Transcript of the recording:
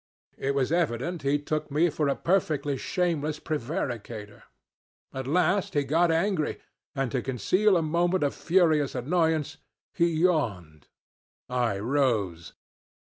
It was evident he took me for a perfectly shameless prevaricator. At last he got angry, and to conceal a movement of furious annoyance, he yawned. I rose.